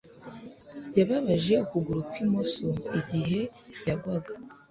Yababaje ukuguru kwi bumoso igihe yagwaga